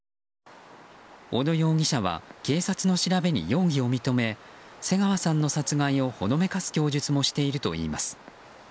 小野容疑者は警察の調べに容疑を認め瀬川さんの殺害をほのめかす供述もしているといいます。